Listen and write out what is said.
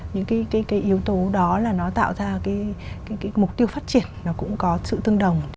những cái yếu tố đó là nó tạo ra cái mục tiêu phát triển nó cũng có sự tương đồng